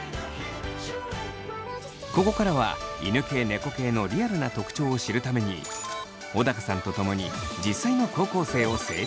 ここからは犬系・猫系のリアルな特徴を知るために小高さんと共に実際の高校生を生態チェック！